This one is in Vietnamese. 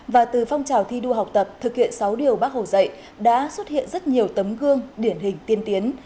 và từ phong trào thi đua học tập thực hiện sáu điều bác hồ dạy đã xuất hiện rất nhiều tấm gương điển hình tiên tiến